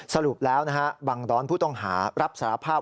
สรุปแล้วนะฮะบังดอนผู้ต้องหารับสารภาพ